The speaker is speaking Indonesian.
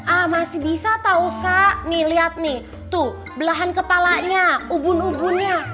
ah masih bisa tau sa nih liat nih tuh belahan kepalanya ubun ubunnya